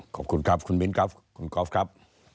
ขอบคุณครับคุณมิ้นครับคุณกอล์ฟครับ